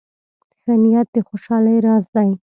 ښه نیت د خوشحالۍ راز دی.